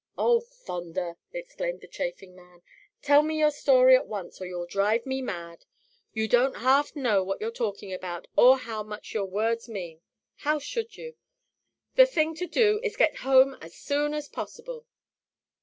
"Oh, thunder!" exclaimed the chafing man, "tell me your story at once, or you'll drive me mad. You don't half know what you're talking about or how much your words mean how should you? The thing to do is to get home as soon as possible."